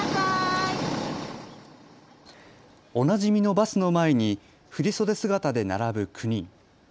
おなじみのバスの前に振り袖姿で並ぶ９人。